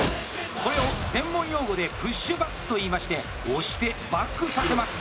これを専門用語で「プッシュバック」と言いまして「押して」「バック」させます。